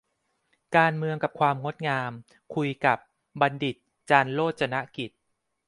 "การเมืองกับความงดงาม" คุยกับ บัณฑิต จันทร์โรจนกิจ